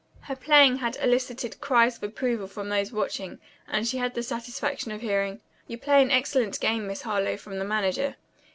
Her playing had elicited cries of approval from those watching and she had the satisfaction of hearing, "You play an excellent game, Miss Harlowe," from the manager.